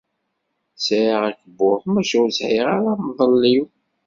Sεiɣ akebbuḍ, maca ur sεiɣ ara amḍelliw.